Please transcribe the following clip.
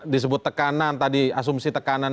disebut tekanan tadi asumsi tekanan